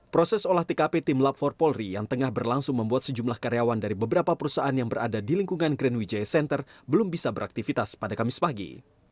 proses olah tkp tim lab empat polri yang tengah berlangsung membuat sejumlah karyawan dari beberapa perusahaan yang berada di lingkungan grand wijaya center belum bisa beraktivitas pada kamis pagi